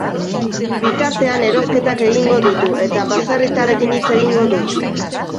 Bitartean erosketak egingo ditu eta baserritarrekin hitz egingo du.